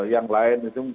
yang lain itu